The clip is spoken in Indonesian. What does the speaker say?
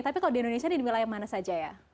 tapi kalau di indonesia di wilayah mana saja ya